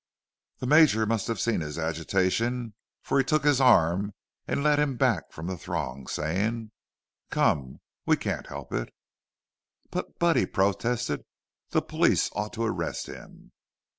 The Major must have seen his agitation, for he took his arm and led him back from the throng, saying: "Come! We can't help it." "But—but—," he protested, "the police ought to arrest him."